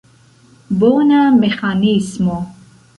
Bona meĥanismo!